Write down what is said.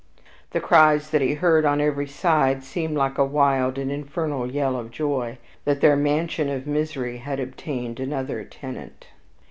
The cries that he heard on every side seemed like a wild and infernal yell of joy, that their mansion of misery had obtained another tenant.